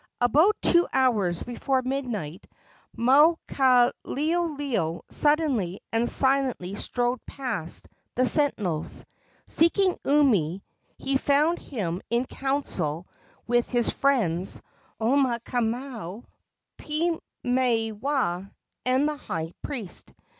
About two hours before midnight Maukaleoleo suddenly and silently strode past the sentinels. Seeking Umi, he found him in council with his friends Omaukamau, Piimaiwaa and the high priest.